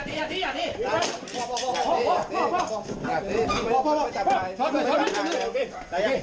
สวัสดีครับคุณผู้ชาย